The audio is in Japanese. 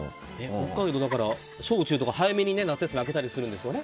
北海道、小中とか、早めに夏休み明けたりするんですよね。